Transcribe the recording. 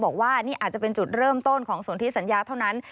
บอกว่านี่อาจจะเป็นจุดเริ่มต้นของส่วนที่สัญญาเท่านั้น